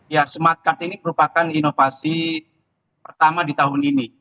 ya smart card ini merupakan inovasi pertama di tahun ini